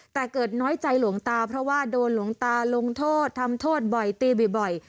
แต่เกิดน้อยใจหลวงตาเพราะว่าโดนหลวงตาลงโทษทำโทษบ่อยตีบ่อย